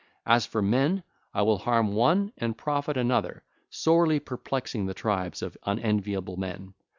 As for men, I will harm one and profit another, sorely perplexing the tribes of unenviable men.